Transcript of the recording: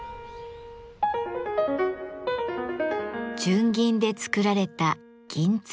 純銀で作られた「銀鶴」。